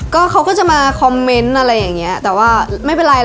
ก็เขาก็จะมาคอมเมนต์อะไรอย่างเงี้ยแต่ว่าไม่เป็นไรหรอ